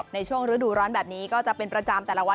ในช่วงฤดูร้อนแบบนี้ก็จะเป็นประจำ